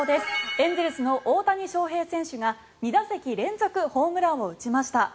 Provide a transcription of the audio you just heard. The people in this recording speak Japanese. エンゼルスの大谷翔平選手が２打席連続ホームランを打ちました。